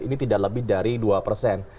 ini tidak lebih dari dua persen